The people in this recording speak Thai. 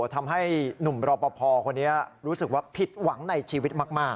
ทำให้หนุ่มรอปภคนนี้รู้สึกว่าผิดหวังในชีวิตมาก